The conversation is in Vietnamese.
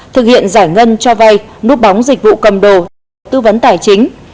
thực hiện giải ngân cho vay núp bóng dịch vụ cầm đồ tư vấn tài chính